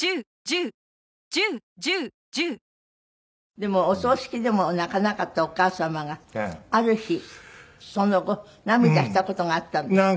でもお葬式でも泣かなかったお母様がある日その後涙した事があったんですって？